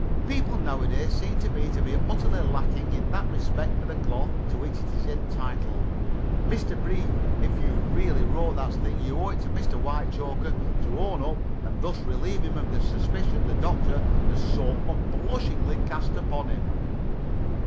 "People nowadays seem to me to be utterly lacking in that respect for the cloth to which it is entitled. Mr. Brief, if you really wrote that thing you owe it to Mr. Whitechoker to own up and thus relieve him of the suspicion the Doctor has so unblushingly cast upon him."